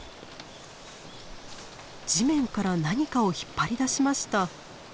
地面から何かを引っ張り出しました。